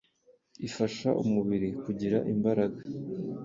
ifasha umubiri kugira imbaraga